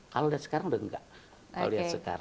kalau lihat sekarang sudah enggak